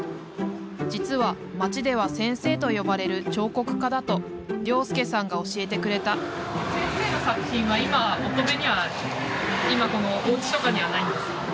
実は町では先生と呼ばれる彫刻家だと良介さんが教えてくれた先生の作品は今乙部にはこのおうちとかにはないんですか？